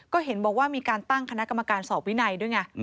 ก็เห็นบอกว่ามีการตั้งคณะกรรมการสอบวินัยด้วยไง